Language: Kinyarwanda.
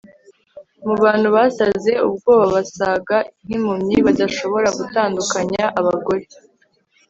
mubantu basaze ubwoba basaga nkimpumyi, badashobora gutandukanya abagore